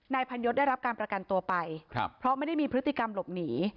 พันยศได้รับการประกันตัวไปเพราะไม่ได้มีพฤติกรรมหลบหนี